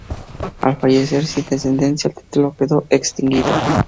Al fallecer sin descendencia, el Título quedó extinguido.